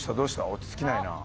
落ち着きないな。